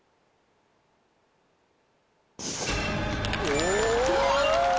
お！